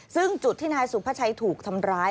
ซึ่งจุดที่นายสุภาชัยถูกทำร้าย